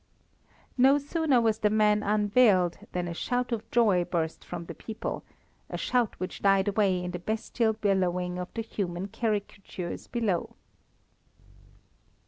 No sooner was the man unveiled than a shout of joy burst from the people, a shout which died away in the bestial bellowing of the human caricatures below.